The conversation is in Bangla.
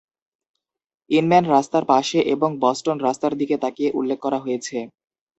ইনম্যান রাস্তার পাশে এবং "বস্টন রাস্তার দিকে তাকিয়ে" উল্লেখ করা হয়েছে।